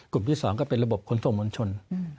กลุ่มที่สองก็เป็นระบบค้นส่งมนชน